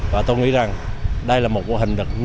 và tôi nghĩ rằng đây là một mô hình nên được nhân lực